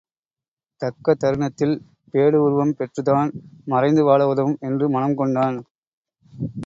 தக்க தருணத்தில் பேடு உருவம் பெற்றுத் தான் மறைந்து வாழ உதவும் என்று மனம் கொண்டான்.